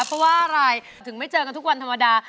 เพราะว่าอะไรถึงไม่เจอกันทุกวันธรรมดา